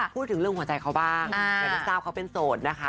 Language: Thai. พูดถึงเรื่องหัวใจเขาบ้างอย่างที่ทราบเขาเป็นโสดนะคะ